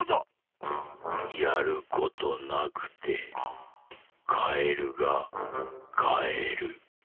「やることなくてカエルがかえる」。